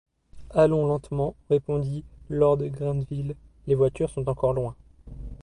Allons lentement, répondit lord Grenville, les voitures sont encore loin.